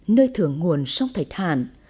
nơi thưởng nguồn sông thạch hàn